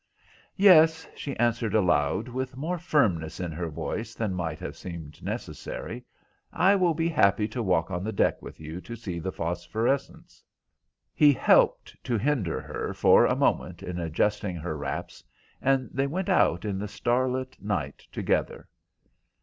"Yes," she answered aloud, with more firmness in her voice than might have seemed necessary, "I will be happy to walk on the deck with you to see the phosphorescence." He helped to hinder her for a moment in adjusting her wraps, and they went out in the starlit night together.